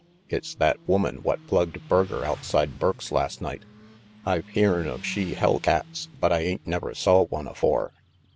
It's that woman what plugged Berger outside Burke's last night. I've hearn of she hell cats, but I ain't never saw one afore.